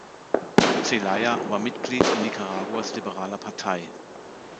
Zelaya war Mitglied in Nicaraguas Liberaler Partei.